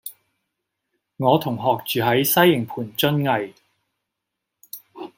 我同學住喺西營盤瑧蓺